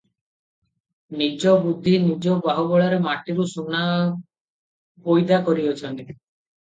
ନିଜ ବୁଦ୍ଧି ନିଜ ବାହୁ ବଳରେ ମାଟିରୁ ସୁନା ପଇଦା କରିଅଛନ୍ତି ।